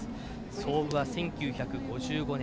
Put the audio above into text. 創部は１９５５年。